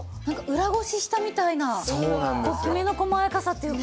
裏ごししたみたいなきめの細やかさというか。